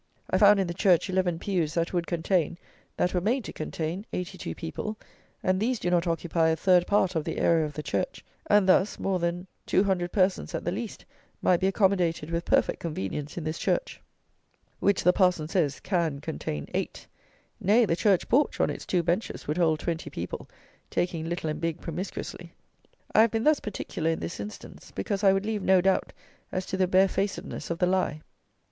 I found in the church eleven pews that would contain, that were made to contain, eighty two people; and these do not occupy a third part of the area of the church; and thus more than two hundred persons at the least might be accommodated with perfect convenience in this church, which the parson says "can contain eight"! Nay, the church porch, on its two benches, would hold twenty people, taking little and big promiscuously. I have been thus particular in this instance, because I would leave no doubt as to the barefacedness of the lie.